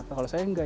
kalau saya enggak